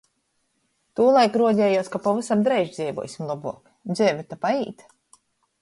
Tūlaik ruodejuos, ka pavysam dreiž dzeivuosim lobuok. dzeive to paīt.